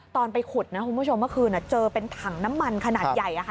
ไปขุดนะคุณผู้ชมเมื่อคืนเจอเป็นถังน้ำมันขนาดใหญ่ค่ะ